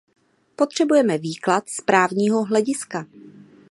Potřebujeme výklad z právního hlediska.